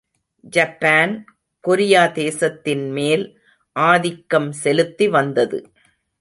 Japan, கொரியாதேசத்தின் மேல் ஆதிக்கம் செலுத்திவந்தது.